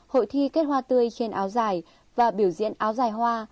hội thi kết hoa tươi trên áo dài và biểu diễn áo dài hoa